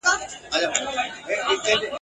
چي را ویښ نه سی وطندارانو ..